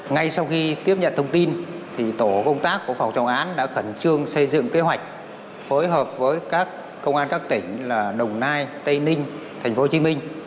ngay sau khi tiếp nhận thông tin tổ công tác của phòng trọng án đã khẩn trương xây dựng kế hoạch phối hợp với các công an các tỉnh đồng nai tây ninh tp hcm